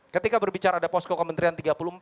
ketika berbicara ada pos ke kementerian tiga puluh empat